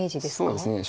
そうですね。